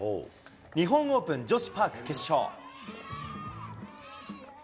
日本オープン女子パーク決勝。